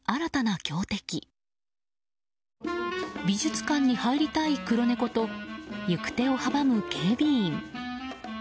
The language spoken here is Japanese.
美術館に入りたい黒猫と行く手を阻む警備員。